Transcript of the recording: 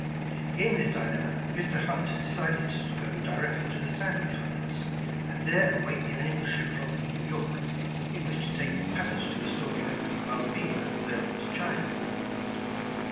In this dilemma, Mr. Hunt decided to go directly to the Sandwich Islands, and there await the annual ship from New York, in which to take passage to Astoria, while the Beaver sailed on to China.